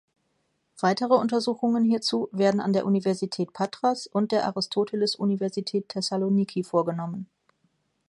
Weitere Untersuchungen hierzu werden an der Universität Patras und der Aristoteles-Universität Thessaloniki vorgenommen.